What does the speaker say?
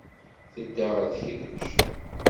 Tedda ɣer tekrict.